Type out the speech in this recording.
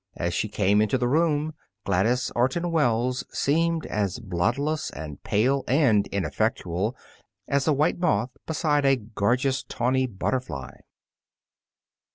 As she came into the room, Gladys Orton Wells seemed as bloodless and pale and ineffectual as a white moth beside a gorgeous tawny butterfly.